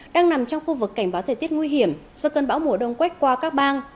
đang nằm trong khu vực cảnh báo thời tiết nguy hiểm do cơn bão mùa đông quét qua các bang